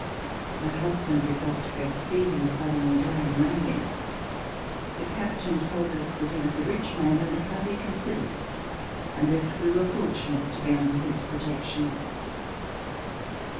My husband resolved to go to see him the following day on landing. The captain told us that he was a rich man and highly considered, and that we were fortunate to be under his protection.